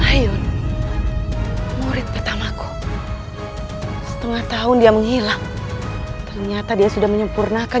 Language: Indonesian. hai hai murid pertama ku setengah tahun dia menghilang ternyata dia sudah menyempurnakan